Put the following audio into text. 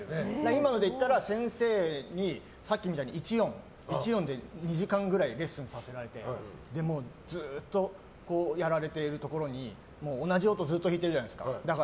今ので言ったら先生にさっきみたいに１音で２時間ぐらいレッスンさせられてもうずっとやられているところに同じ音をずっと弾いてるじゃないですか。